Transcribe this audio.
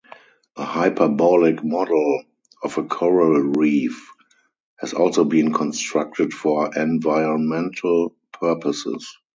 A hyperbolic model of a coral reef has also been constructed for environmental purposes.